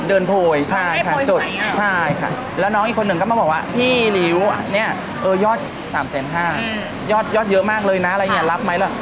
โพยใช่ค่ะจดใช่ค่ะแล้วน้องอีกคนหนึ่งก็มาบอกว่าพี่ริ้วเนี่ยเออยอด๓๕๐๐ยอดเยอะมากเลยนะอะไรอย่างนี้รับไหมล่ะ